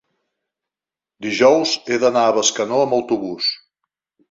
dijous he d'anar a Bescanó amb autobús.